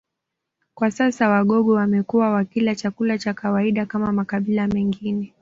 Kwa sasa Wagogo wamekuwa wakila chakula cha kawaida kama makabila mengine